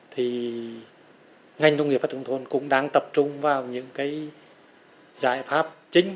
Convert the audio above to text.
thì ngành công nghiệp phát trung thôn cũng đang tập trung vào những cái giải pháp chính